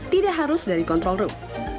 tidak harus dari control room